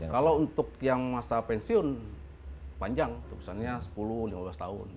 kalau untuk yang masa pensiun panjang tulisannya sepuluh lima belas tahun